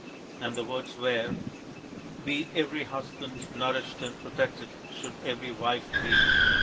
And the words were :" By every husband nourished and protected Should every wife be.